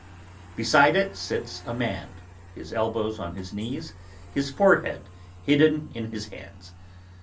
Beside it, sits a man: his elbows on his knees: his forehead hidden in his hands.